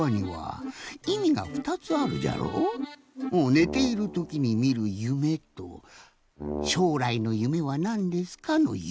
ねているときにみる夢と「しょうらいの夢はなんですか？」の夢。